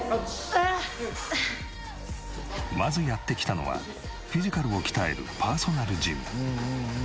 まずやって来たのはフィジカルを鍛えるパーソナルジム。